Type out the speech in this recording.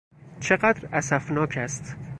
چقدر اسفناک است!